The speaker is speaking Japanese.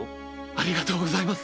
ありがとうございます！